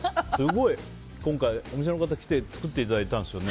今回、お店の方に来て作っていただいたんですよね。